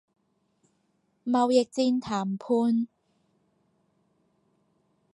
貿易戰談判